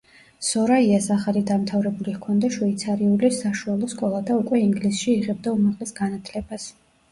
სორაიას ახალი დამთავრებული ჰქონდა შვეიცარიული საშუალო სკოლა და უკვე ინგლისში იღებდა უმაღლეს განათლებას.